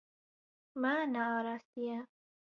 Me nearastiye.